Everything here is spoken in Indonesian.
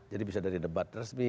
jadi bisa dari debat resmi